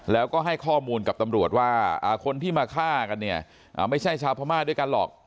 แล้วก็ให้ข้อมูลกับตำรวจว่าคนที่มาฆ่ากันเนี่ยไม่ใช่ชาวพม่าด้วยกันหรอก